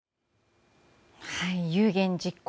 夢言実行